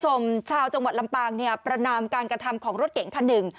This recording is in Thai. ชาวจังหวัดลำปางเนี่ยประนามการกระทำของรถเก๋งคันหนึ่ง